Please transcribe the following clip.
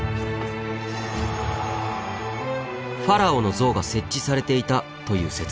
「ファラオの像が設置されていた」という説。